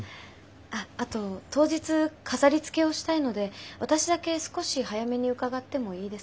あっあと当日飾りつけをしたいので私だけ少し早めに伺ってもいいですか？